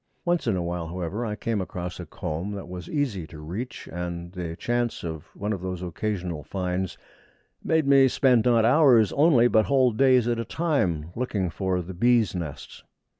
Once in a while, however, I came across a comb that was easy to reach, and the chance of one of those occasional finds made me spend, not hours only, but whole days at a time, looking for the bees' nests.